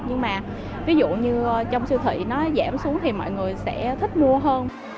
nhưng mà ví dụ như trong siêu thị nó giảm xuống thì mọi người sẽ thích mua hơn